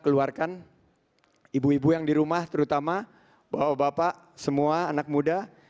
keluarkan ibu ibu yang di rumah terutama bapak semua anak muda